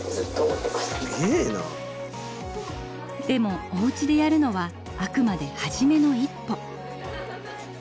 でもおうちでやるのはあくまで初めの一歩。